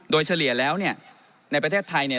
โดยเฉลี่ยแล้วในประเทศไทย